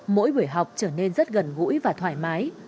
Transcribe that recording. mỗi buổi học trở nên rất gần gũi và thoải mái